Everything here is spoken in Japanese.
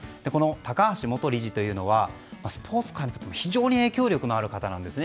高橋元理事というのはスポーツ界にとっても非常に影響力のある方です。